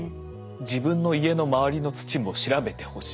自分の家の周りの土も調べてほしい。